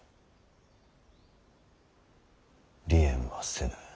離縁はせぬ。